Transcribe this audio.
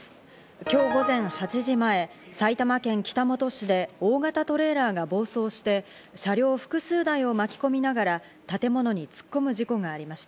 今日午前８時前、埼玉県北本市で大型トレーラーが暴走して、車両複数台を巻き込みながら建物に突っ込む事故がありました。